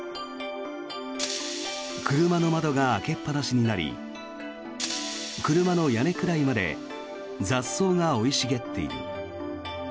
車の窓が開けっぱなしになり車の屋根くらいまで雑草が生い茂っている。